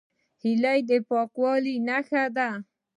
هیلۍ د پاکوالي نښه ده